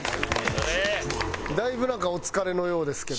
だいぶなんかお疲れのようですけど。